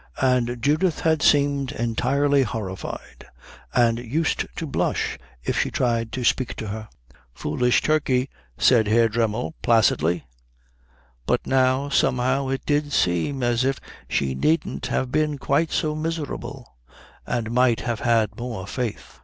And Judith had seemed entirely horrified, and used to blush if she tried to speak to her. "Foolish turkey," said Herr Dremmel placidly. But now somehow it did seem as if she needn't have been quite so miserable, and might have had more faith.